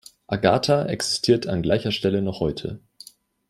Agatha“ existiert an gleicher Stelle noch heute.